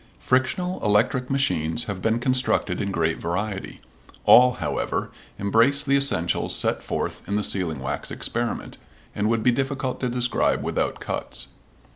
Frictional electric machines have been constructed in great variety. All, however, embrace the essentials set forth in the sealing wax experiment, and would be difficult to describe without cuts.